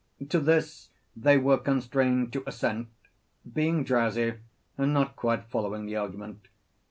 To this they were constrained to assent, being drowsy, and not quite following the argument.